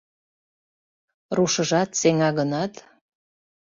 Рушыжат сеҥа гынат